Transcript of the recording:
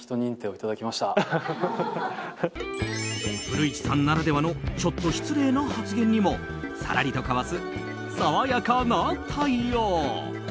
古市さんならではのちょっと失礼な発言にもさらりとかわす爽やかな対応。